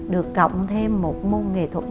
được cộng thêm một môn nghệ thuật